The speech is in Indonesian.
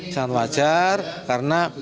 sangat wajar karena